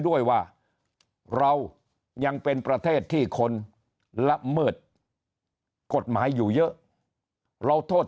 ด้วยว่าเรายังเป็นประเทศที่คนละเมิดกฎหมายอยู่เยอะเราโทษ